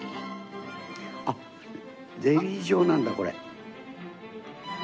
あっゼリー状なんだこれ。